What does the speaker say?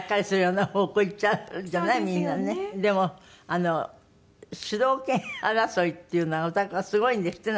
でも主導権争いっていうのがお宅はすごいんですって？